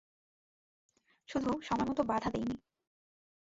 শুধু, সময়মতো বাধা দেইনি।